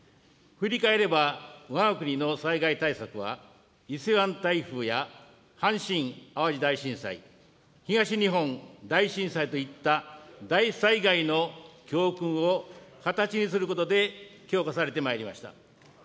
振り返ればわが国の災害対策は、伊勢湾台風や阪神・淡路大震災、東日本大震災といった大災害の教訓を形にすることで強化されてまいりました。